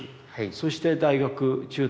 そして大学中退。